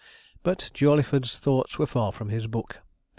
But Jawleyford's thoughts were far from his book.